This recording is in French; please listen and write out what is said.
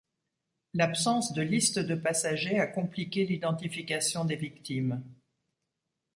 L'absence de liste de passagers a compliqué l'identification des victimes.